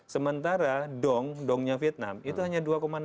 sementara dong dongnya vietnam itu hanya dua enam